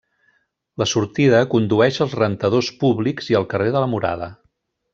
La sortida condueix als rentadors públics i al carrer de la Murada.